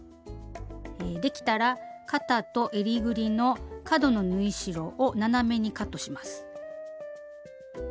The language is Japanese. できたら肩とえりぐりの角の縫い代を斜めにカットします。